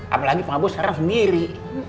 apalagi pak bos sekarang sendiri